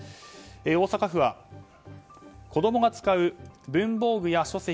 大阪府は子供が使う文房具や書籍